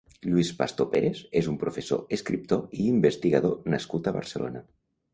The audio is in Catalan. Lluís Pastor Pérez és un professor, escriptor i investigador nascut a Barcelona.